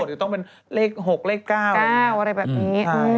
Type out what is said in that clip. หรือต้องเป็นเลข๖เลข๙๙อะไรแบบนี้